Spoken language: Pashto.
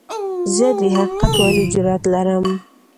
زه د حقیقت ویلو جرئت لرم.